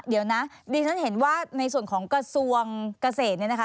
เดี๋ยวนะดิฉันเห็นว่าในส่วนของกระทรวงเกษตรเนี่ยนะคะ